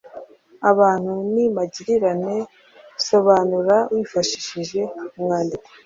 Abantu ni magirirane. Sobanura wifashishije umwandiko.